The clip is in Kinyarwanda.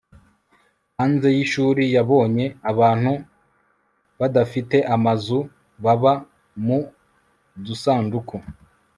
hanze y'ishuri, yabonye abantu badafite amazu baba mu dusanduku